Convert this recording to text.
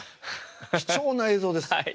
貴重な映像です。